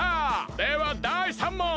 ではだい３もん！